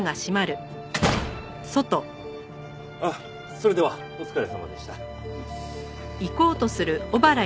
それではお疲れさまでした。